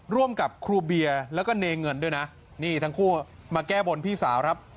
ร่วมกับครูเบียร์แล้วก็เนเงินด้วยนะนี่ทั้งคู่มาแก้บนพี่สาวครับ